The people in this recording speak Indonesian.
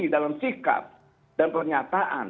dalam sikap dan pernyataan